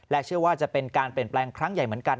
เชื่อว่าจะเป็นการเปลี่ยนแปลงครั้งใหญ่เหมือนกัน